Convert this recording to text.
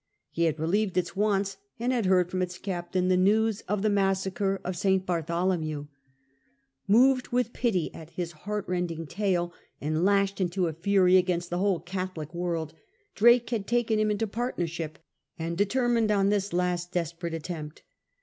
He had relieved its wants, and had heard from its captain the news of the Massacre of St. Bartholomew. Moved with pity at his heartrending tale, and lashed into a fury against the whole Catholic world, Drake had taken him into partnership and determined on this last desperate attempt.